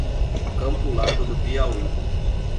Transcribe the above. Campo Largo do Piauí